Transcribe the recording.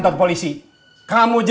susu baik baik saja